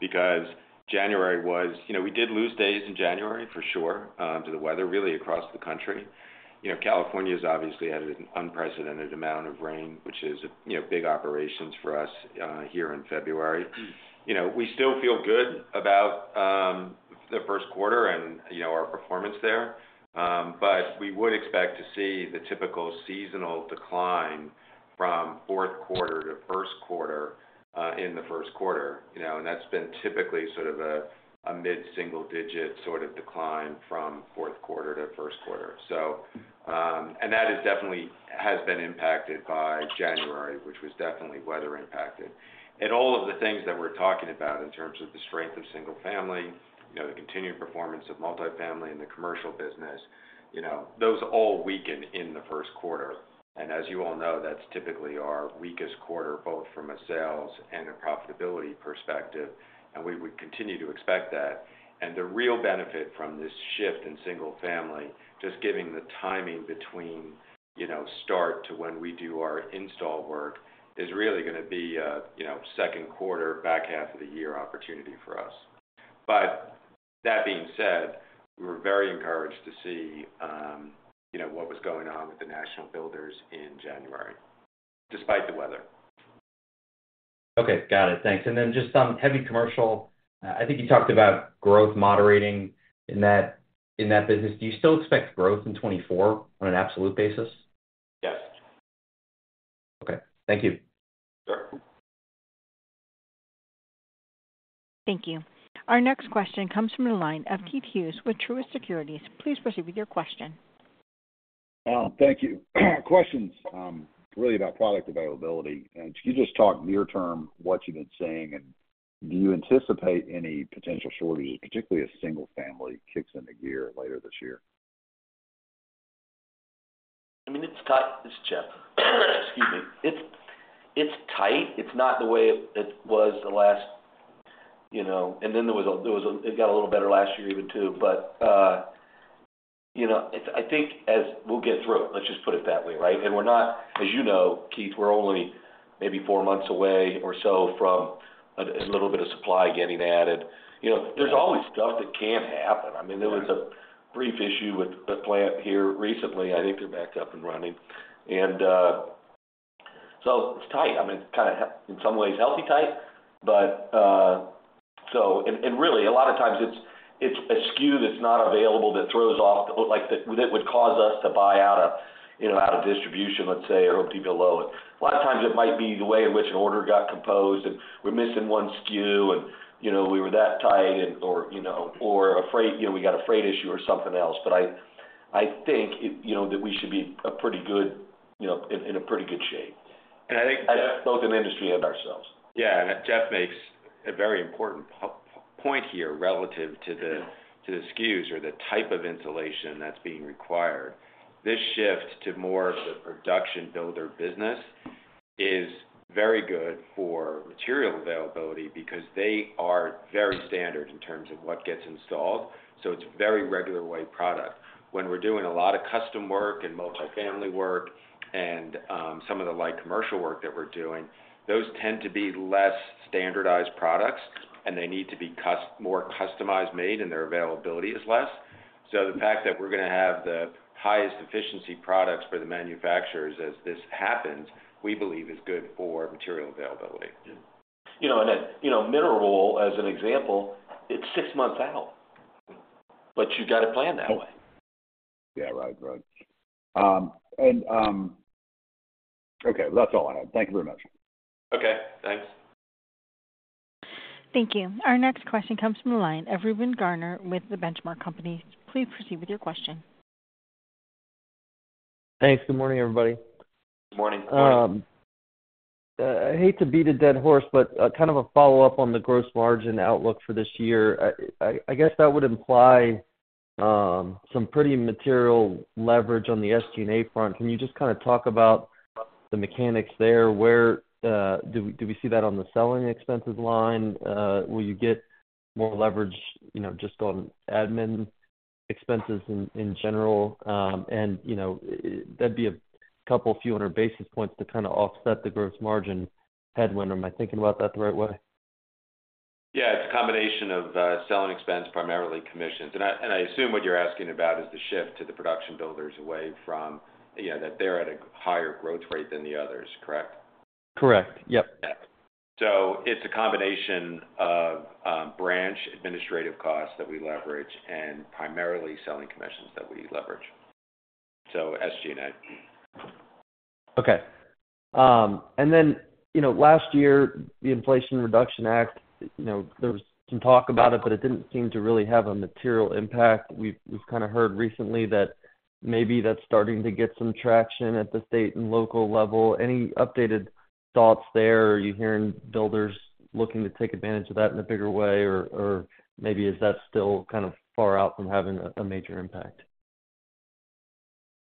because in January, we did lose days in January, for sure, to the weather, really, across the country. California has obviously had an unprecedented amount of rain, which is big operations for us here in February. We still feel good about the first quarter and our performance there. We would expect to see the typical seasonal decline from fourth quarter to first quarter in the first quarter. That's been typically sort of a mid-single-digit sort of decline from fourth quarter to first quarter. That definitely has been impacted by January, which was definitely weather-impacted. All of the things that we're talking about in terms of the strength of single-family, the continued performance of multifamily in the commercial business, those all weaken in the first quarter. As you all know, that's typically our weakest quarter, both from a sales and a profitability perspective. We would continue to expect that. The real benefit from this shift in single-family, just giving the timing between start to when we do our install work, is really going to be a second quarter, back half of the year opportunity for us. But that being said, we were very encouraged to see what was going on with the national builders in January, despite the weather. Okay. Got it. Thanks. And then just some heavy commercial I think you talked about growth moderating in that business. Do you still expect growth in 2024 on an absolute basis? Yes. Okay. Thank you. Sure. Thank you. Our next question comes from the line of Keith Hughes with Truist Securities. Please proceed with your question. Thank you. Questions, really, about product availability. Could you just talk near-term what you've been seeing? And do you anticipate any potential shortages, particularly as single-family kicks into gear later this year? I mean, it's tight. It's Jeff. Excuse me. It's tight. It's not the way it was the last and then it got a little better last year even, too. But I think as we'll get through it. Let's just put it that way, right? And as you know, Keith, we're only maybe four months away or so from a little bit of supply getting added. There's always stuff that can happen. I mean, there was a brief issue with the plant here recently. I think they're back up and running. And so it's tight. I mean, it's kind of, in some ways, healthy tight. And really, a lot of times, it's a SKU that's not available that throws off that would cause us to buy out of distribution, let's say, or Home Depot, Lowe's. A lot of times, it might be the way in which an order got composed. We're missing one SKU. We were that tight or afraid we got a freight issue or something else. But I think that we should be in a pretty good shape. That's both an industry and ourselves. Yeah. And Jeff makes a very important point here relative to the SKUs or the type of insulation that's being required. This shift to more of the production builder business is very good for material availability because they are very standard in terms of what gets installed. So it's very regular-weight product. When we're doing a lot of custom work and multifamily work and some of the light commercial work that we're doing, those tend to be less standardized products. And they need to be more customized made. And their availability is less. So the fact that we're going to have the highest efficiency products for the manufacturers as this happens, we believe, is good for material availability. Yeah. And at mineral wool, as an example, it's six months out. But you got to plan that way. Yeah. Right. Right. Okay. That's all I had. Thank you very much. Okay. Thanks. Thank you. Our next question comes from the line of Reuben Garner with The Benchmark Company. Please proceed with your question. Thanks. Good morning, everybody. Good morning. Good morning. I hate to beat a dead horse, but kind of a follow-up on the gross margin outlook for this year, I guess that would imply some pretty material leverage on the SG&A front. Can you just kind of talk about the mechanics there? Do we see that on the selling expenses line? Will you get more leverage just on admin expenses in general? And that'd be a couple few hundred basis points to kind of offset the gross margin headwind. Am I thinking about that the right way? Yeah. It's a combination of selling expense, primarily commissions. I assume what you're asking about is the shift to the production builders away from that they're at a higher growth rate than the others, correct? Correct. Yep. Yeah. So it's a combination of branch administrative costs that we leverage and primarily selling commissions that we leverage, so SG&A. Okay. And then last year, the Inflation Reduction Act, there was some talk about it, but it didn't seem to really have a material impact. We've kind of heard recently that maybe that's starting to get some traction at the state and local level. Any updated thoughts there? Are you hearing builders looking to take advantage of that in a bigger way? Or maybe is that still kind of far out from having a major impact?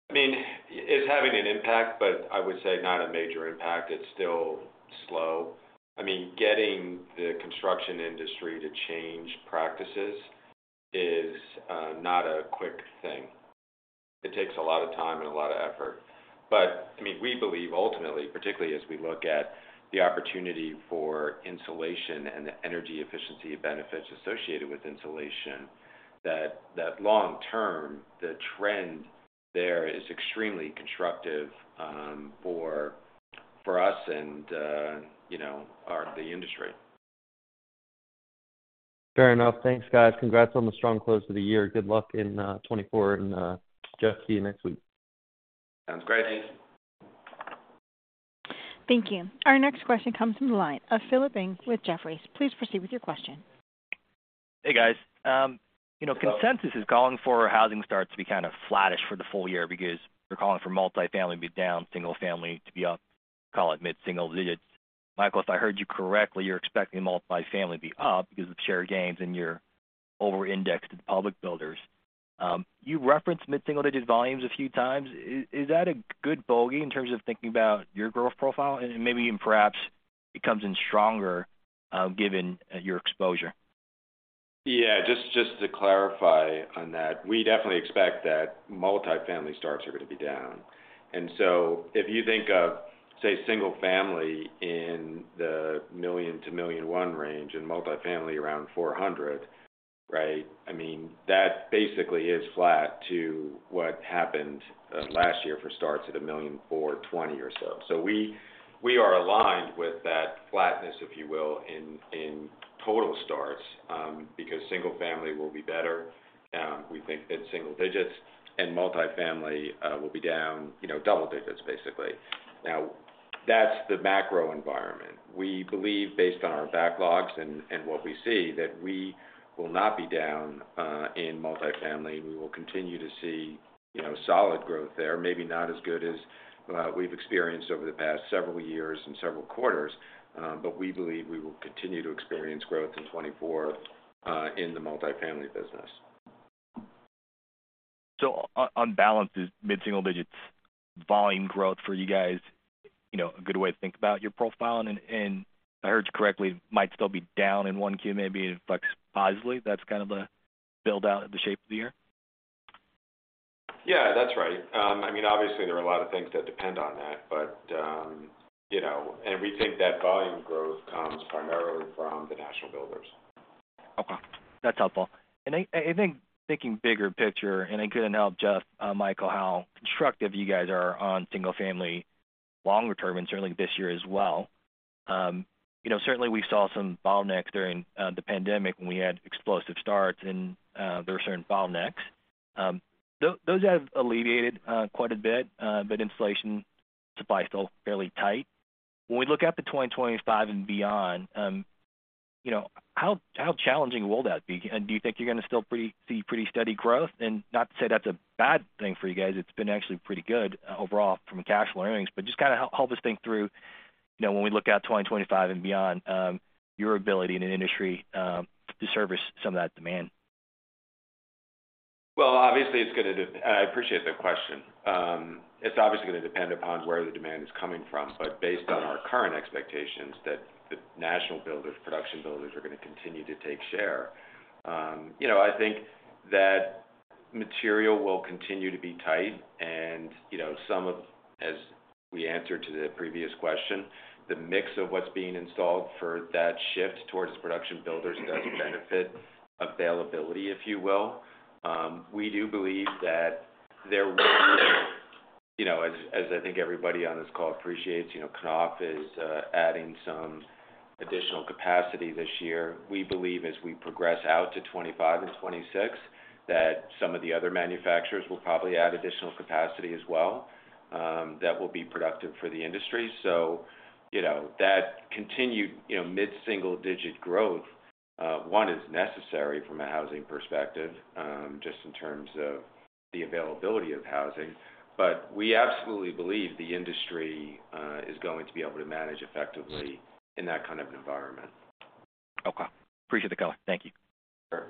I mean, it's having an impact, but I would say not a major impact. It's still slow. I mean, getting the construction industry to change practices is not a quick thing. It takes a lot of time and a lot of effort. But I mean, we believe, ultimately, particularly as we look at the opportunity for insulation and the energy efficiency benefits associated with insulation, that long-term, the trend there is extremely constructive for us and the industry. Fair enough. Thanks, guys. Congrats on the strong close of the year. Good luck in 2024 and, Jeff, see you next week. Sounds great. Thank you. Our next question comes from the line of Philip Ng with Jefferies. Please proceed with your question. Hey, guys. Consensus is calling for housing starts to be kind of flattish for the full year because they're calling for multifamily to be down, single-family to be up, call it mid-single digits. Michael, if I heard you correctly, you're expecting multifamily to be up because of the share gains and you're over-indexed to the public builders. You referenced mid-single digit volumes a few times. Is that a good bogey in terms of thinking about your growth profile? And maybe even perhaps it comes in stronger given your exposure. Yeah. Just to clarify on that, we definitely expect that multifamily starts are going to be down. And so if you think of, say, single-family in the $1 million-$1.1 million range and multifamily around 400,000, right, I mean, that basically is flat to what happened last year for starts at $1,420,000 or so. So we are aligned with that flatness, if you will, in total starts because single-family will be better, we think, at single digits. And multifamily will be down double digits, basically. Now, that's the macro environment. We believe, based on our backlogs and what we see, that we will not be down in multifamily. And we will continue to see solid growth there, maybe not as good as we've experienced over the past several years and several quarters. But we believe we will continue to experience growth in 2024 in the multifamily business. So on balance, is mid-single digits volume growth for you guys a good way to think about your profile? And if I heard you correctly, it might still be down in 1Q, maybe it affects positively. That's kind of the build-out of the shape of the year? Yeah. That's right. I mean, obviously, there are a lot of things that depend on that. We think that volume growth comes primarily from the national builders. Okay. That's helpful. I think, thinking bigger picture, I couldn't help, Jeff, Michael, how constructive you guys are on single-family longer term and certainly this year as well. Certainly, we saw some bottlenecks during the pandemic when we had explosive starts. And there were certain bottlenecks. Those have alleviated quite a bit. But insulation supply is still fairly tight. When we look at 2025 and beyond, how challenging will that be? And do you think you're going to still see pretty steady growth? And not to say that's a bad thing for you guys. It's been actually pretty good overall from cash flow earnings. But just kind of help us think through, when we look at 2025 and beyond, your ability in an industry to service some of that demand. Well, obviously, I appreciate the question. It's obviously going to depend upon where the demand is coming from. But based on our current expectations that the national builders, production builders, are going to continue to take share, I think that material will continue to be tight. And, as we answered to the previous question, the mix of what's being installed for that shift towards the production builders does benefit availability, if you will. We do believe that there will be, as I think everybody on this call appreciates, Knauf is adding some additional capacity this year. We believe, as we progress out to 2025 and 2026, that some of the other manufacturers will probably add additional capacity as well that will be productive for the industry. That continued mid-single-digit growth. One is necessary from a housing perspective just in terms of the availability of housing. But we absolutely believe the industry is going to be able to manage effectively in that kind of an environment. Okay. Appreciate the color. Thank you. Sure.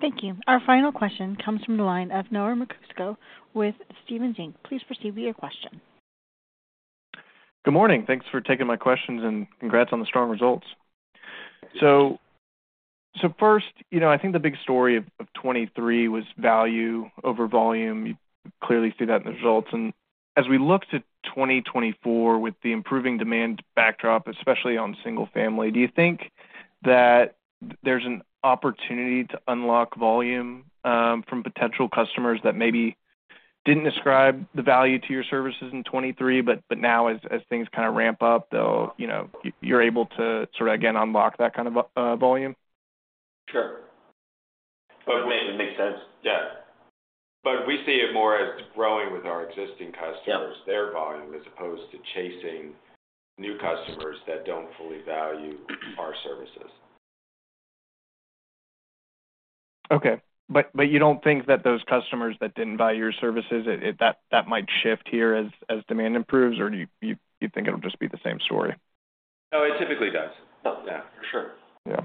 Thank you. Our final question comes from the line of Noah Merkousko with Stephens Inc. Please proceed with your question. Good morning. Thanks for taking my questions. Congrats on the strong results. First, I think the big story of 2023 was value over volume. You clearly see that in the results. As we look to 2024 with the improving demand backdrop, especially on single-family, do you think that there's an opportunity to unlock volume from potential customers that maybe didn't ascribe the value to your services in 2023? But now, as things kind of ramp up, you're able to sort of, again, unlock that kind of volume? Sure. It makes sense. Yeah. But we see it more as growing with our existing customers, their volume, as opposed to chasing new customers that don't fully value our services. Okay. But you don't think that those customers that didn't buy your services, that might shift here as demand improves? Or do you think it'll just be the same story? No. It typically does. Yeah. For sure.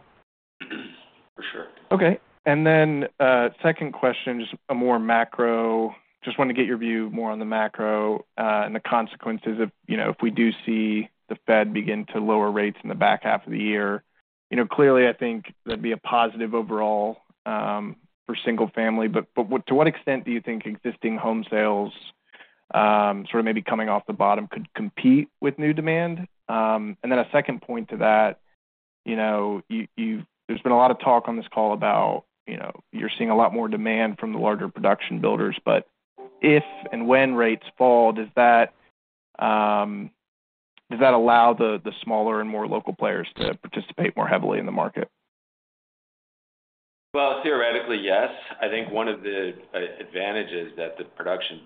For sure. Okay. And then second question, just a more macro just wanted to get your view more on the macro and the consequences of if we do see the Fed begin to lower rates in the back half of the year. Clearly, I think that'd be a positive overall for single-family. But to what extent do you think existing home sales, sort of maybe coming off the bottom, could compete with new demand? And then a second point to that, there's been a lot of talk on this call about you're seeing a lot more demand from the larger production builders. But if and when rates fall, does that allow the smaller and more local players to participate more heavily in the market? Well, theoretically, yes. I think one of the advantages that the production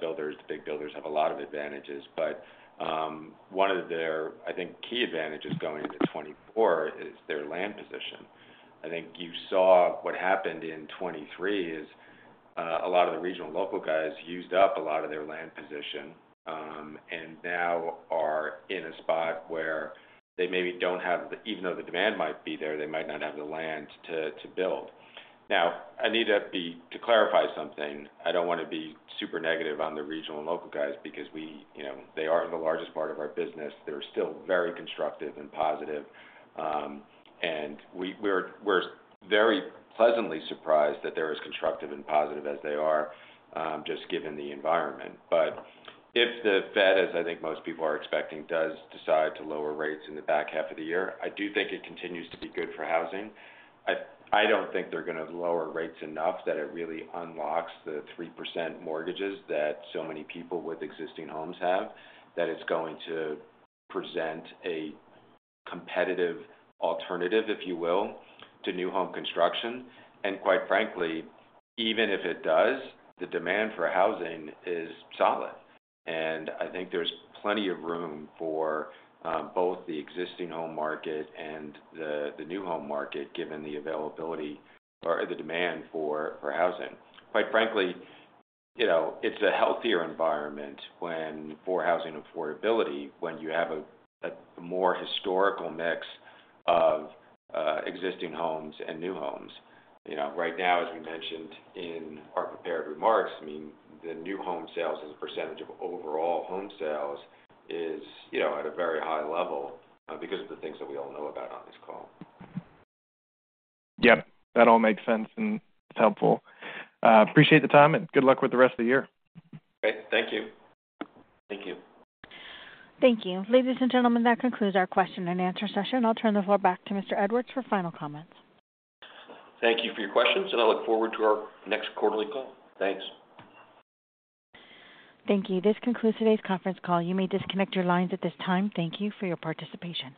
builders, the big builders, have a lot of advantages. But one of their, I think, key advantages going into 2024 is their land position. I think you saw what happened in 2023 is a lot of the regional and local guys used up a lot of their land position and now are in a spot where they maybe don't have the even though the demand might be there, they might not have the land to build. Now, I need to clarify something. I don't want to be super negative on the regional and local guys because they are the largest part of our business. They're still very constructive and positive. We're very pleasantly surprised that they're as constructive and positive as they are just given the environment. But if the Fed, as I think most people are expecting, does decide to lower rates in the back half of the year, I do think it continues to be good for housing. I don't think they're going to lower rates enough that it really unlocks the 3% mortgages that so many people with existing homes have, that it's going to present a competitive alternative, if you will, to new home construction. And quite frankly, even if it does, the demand for housing is solid. And I think there's plenty of room for both the existing home market and the new home market given the availability or the demand for housing. Quite frankly, it's a healthier environment for housing affordability when you have a more historical mix of existing homes and new homes. Right now, as we mentioned in our prepared remarks, I mean, the new home sales as a percentage of overall home sales is at a very high level because of the things that we all know about on this call. Yep. That all makes sense. And it's helpful. Appreciate the time. And good luck with the rest of the year. Great. Thank you. Thank you. Thank you. Ladies and gentlemen, that concludes our question and answer session. I'll turn the floor back to Mr. Edwards for final comments. Thank you for your questions. I look forward to our next quarterly call. Thanks. Thank you. This concludes today's conference call. You may disconnect your lines at this time. Thank you for your participation.